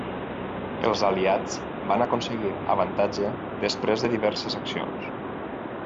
Els aliats van aconseguir avantatge després de diverses accions.